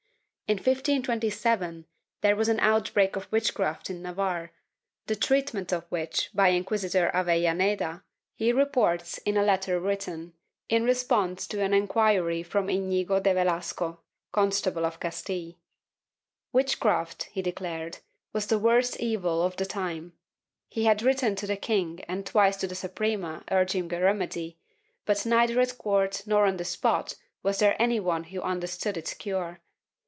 In 1527 there was an outbreak of witchcraft in Navarre, the treatment of which by Inquisitor Avellaneda he reports in a letter written, in response to an inquiry from liiigo de Velasco, Constable of Castile. Witchcraft, he declared, was the worst evil of the time; he had written to the king and twice to the Suprema urging a remedy, but neither at court nor on the spot was there any one who under stood its cure.